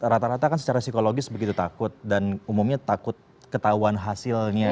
rata rata kan secara psikologis begitu takut dan umumnya takut ketahuan hasilnya